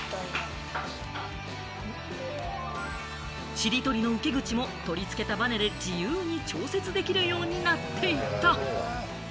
塵取りの受け口も取り付けたバネで自由に調節できるようになっていた。